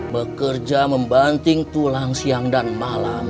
bekerja membanting tulang siang dan malam